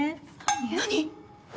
何？